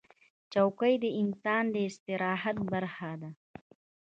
چوکۍ د انسان د استراحت برخه ده.